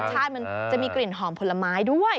มันจะมีกลิ่นหอมผลไม้ด้วย